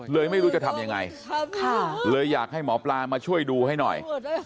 ไม่รู้จะทำยังไงเลยอยากให้หมอปลามาช่วยดูให้หน่อย